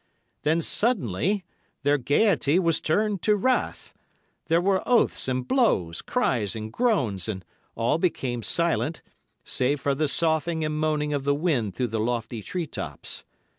Then suddenly their gaiety was turned to wrath—there were oaths and blows, cries and groans, and all became silent, save for the soughing and moaning of the wind through the lofty tree tops.